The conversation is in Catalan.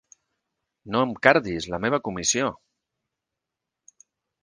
No em cardis, la meva comissió!